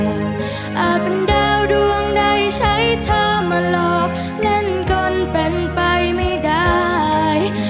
อาจเป็นดาวดวงใดใช้เธอมาหลอกเล่นกันเป็นไปไม่ได้